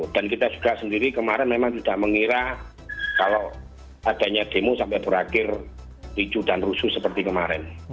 dan kita juga sendiri kemarin memang tidak mengira kalau adanya demo sampai berakhir licu dan rusuh seperti kemarin